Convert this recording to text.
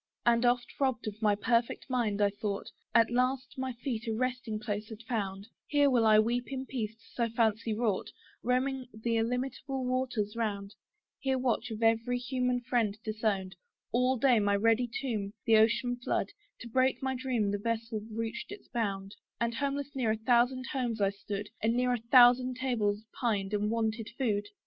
And oft, robb'd of my perfect mind, I thought At last my feet a resting place had found: Here will I weep in peace, (so fancy wrought,) Roaming the illimitable waters round; Here watch, of every human friend disowned, All day, my ready tomb the ocean flood To break my dream the vessel reached its bound: And homeless near a thousand homes I stood, And near a thousand tables pined, and wanted food.